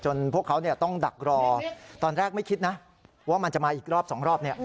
พวกเขาต้องดักรอตอนแรกไม่คิดนะว่ามันจะมาอีกรอบสองรอบ